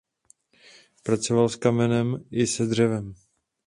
Pracoval s kamenem i se dřevem.